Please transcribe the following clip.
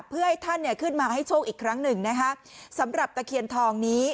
เพื่อให้ท่านเนี่ยขึ้นมาให้โชคอีกครั้งหนึ่งนะคะสำหรับตะเคียนทองนี้